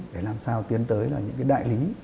để làm sao tiến tới là những đại lý